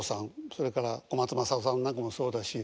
それから小松政夫さんなんかもそうだし